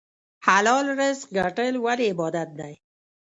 حلال رزق ګټل ولې عبادت دی؟